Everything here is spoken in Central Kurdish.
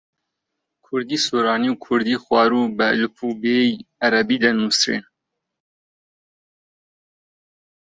کوردیی سۆرانی و کوردیی خواروو بە ئەلفوبێی عەرەبی دەنووسرێن.